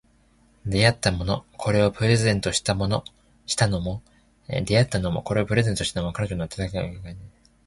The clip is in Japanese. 出会ったのも、これをプレゼントしたのも、彼女の温かさや重みを感じたのも、あの頃だった